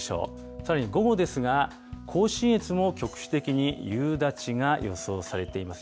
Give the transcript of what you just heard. さらに午後ですが、甲信越も局地的に夕立が予想されています。